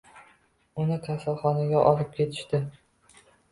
Uni kasalxonaga olib ketishdi.